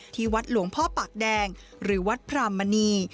ที่วัดหลวงพ่อปากแดงหรือวัดพรามณี